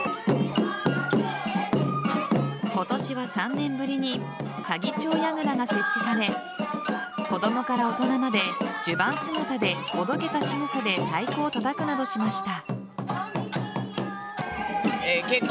今年は３年ぶりに左義長櫓が設置され子供から大人まで襦袢姿でおどけた仕草で太鼓をたたくなどしました。